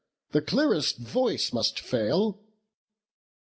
the clearest voice must fail.